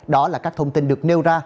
đó là các thông tin được nêu ra